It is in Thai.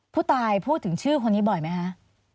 ผู้ตายพูดถึงชื่อคนนี้บ่อยไหมคะ